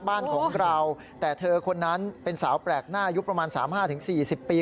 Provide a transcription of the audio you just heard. บ้านของเราแต่เธอคนนั้นเป็นสาวแปลกหน้าอายุประมาณ๓๕๔๐ปี